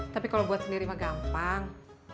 tapi kalau buat sendiri mah gampang